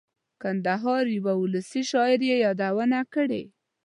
کندهار یوه اولسي شاعر یې یادونه کړې.